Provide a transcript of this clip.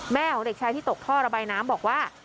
ของเด็กชายที่ตกท่อระบายน้ำบอกว่า